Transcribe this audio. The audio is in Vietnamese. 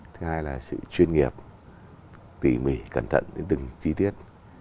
thứ hai là sự chuyên nghiệp tỉ mỉ cẩn thận đến từng chi tiết